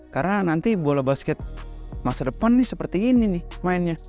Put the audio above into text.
karena nanti bola basket masa depan nih seperti ini nih mainnya